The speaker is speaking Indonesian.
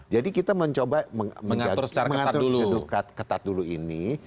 jadi kita mencoba mengatur kedudukan ketat dulu ini